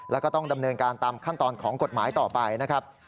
แล้วก็ต้องดำเนินการตามขั้นตอนของกฎหมายต่อไปนะครับ